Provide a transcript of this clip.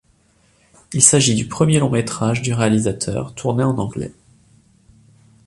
Il s'agit du premier long-métrage du réalisateur, tourné en anglais.